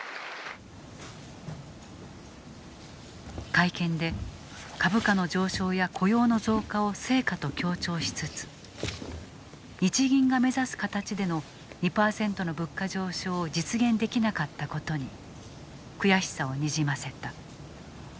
会見で株価の上昇や雇用の増加を成果と強調しつつ日銀が目指す形での２％の物価上昇を実現できなかったことに悔しさをにじませた。